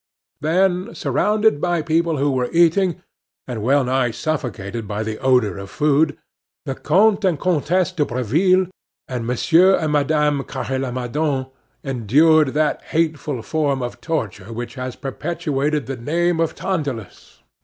Then, surrounded by people who were eating, and well nigh suffocated by the odor of food, the Comte and Comtesse de Breville and Monsieur and Madame Carre Lamadon endured that hateful form of torture which has perpetuated the name of Tantalus.